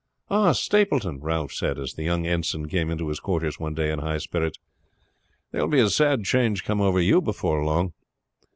"Ah, Stapleton," Ralph said, as the young ensign came into his quarters one day in high spirits, "there will be a sad change come over you before long.